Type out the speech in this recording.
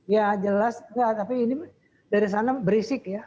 ya jelas enggak tapi ini dari sana berisik ya